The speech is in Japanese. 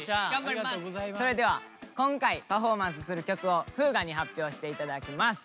それでは今回パフォーマンスする曲を風雅に発表して頂きます。